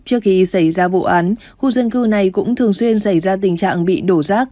trước khi xảy ra vụ án khu dân cư này cũng thường xuyên xảy ra tình trạng bị đổ rác